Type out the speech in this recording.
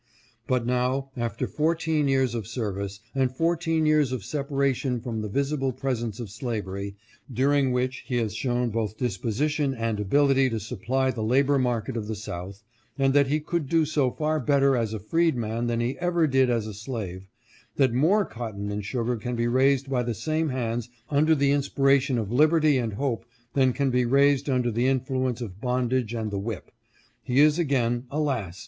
"But now, after fourteen years of service and fourteen years of separation from the visible presence of slavery, during which he has shown both disposition and ability to supply the labor market of the South, and that he could do so far better as a freedman than he evei did as a slave, that more cotton and sugar can be raised by the same hands under the inspiration of liberty and hope than can be raised under the influence of bondage and the whip, he is again, alas!